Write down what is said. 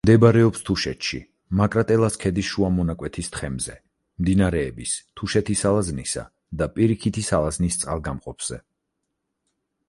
მდებარეობს თუშეთში, მაკრატელას ქედის შუა მონაკვეთის თხემზე, მდინარეების თუშეთის ალაზნისა და პირიქითის ალაზნის წყალგამყოფზე.